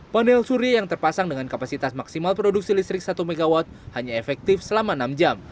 panel surya yang terpasang dengan kapasitas maksimal produksi listrik satu mw hanya efektif selama enam jam